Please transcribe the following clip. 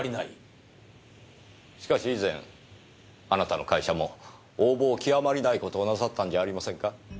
しかし以前あなたの会社も横暴極まりないことをなさったんじゃありませんか？